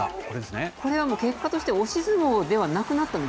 これは結果として押し相撲ではなくなったんです。